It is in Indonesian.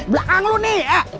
belakang lo nih ah